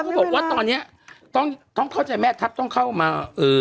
พวกเขาบอกว่าตอนนี้ต้องเข้าใจแม่ทัพต้องเข้ามา